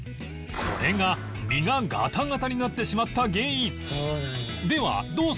これが身がガタガタになってしまった原因